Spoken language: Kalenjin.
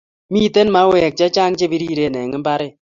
Miten mauek chechang chepiriren eng mbaret